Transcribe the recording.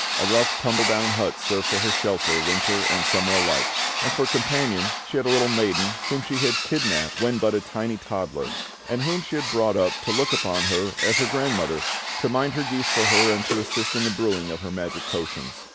A rough, tumble down hut served her for shelter, winter and summer alike; and for companion she had a little maiden whom she had kidnapped when but a tiny toddler, and whom she had brought up to look upon her as her grandmother, to mind her geese for her and to assist in the brewing of her magic potions.